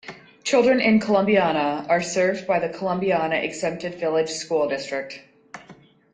Children in Columbiana are served by the Columbiana Exempted Village School District.